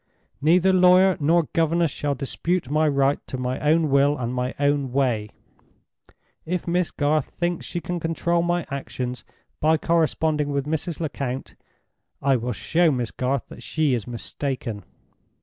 "Neither lawyer nor governess shall dispute my right to my own will and my own way. If Miss Garth thinks she can control my actions by corresponding with Mrs. Lecount, I will show Miss Garth she is mistaken!